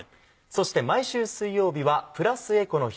そして毎週水曜日はプラスエコの日。